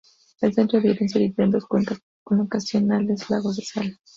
El centro de Irán se divide en dos cuencas con ocasionales lagos de sal.